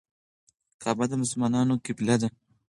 کعبه د مسلمانانو قبله ده.